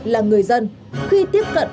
là người dân khi tiếp cận